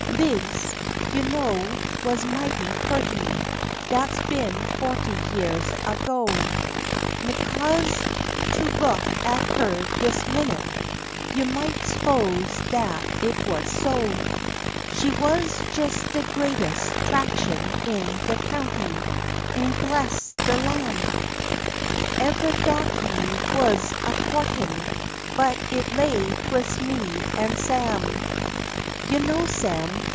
Lize, you know, wuz mighty purty dat's been forty yeahs ago 'N 'cos to look at her dis minit, you might'n spose dat it wuz so. She wuz jes de greates' 'traction in de county, 'n bless de lam'! Eveh darkey wuz a co'tin, but it lay 'twix me an' Sam. You know Sam.